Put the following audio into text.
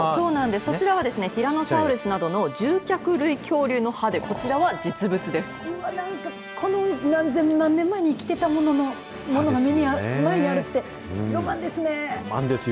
そちらはですね、ティラノサウルスなどの、獣脚類恐竜の歯で、うわっ、なんかこの何千万年前に生きてたものが目の前にあるって、ロマンですね。